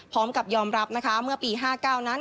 พร้อมกับยอมรับนะคะเมื่อปี๕๙นั้น